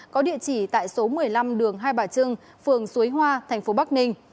có địa chỉ tại số một mươi năm đường hai bà trưng phường suối hoa tp bắc ninh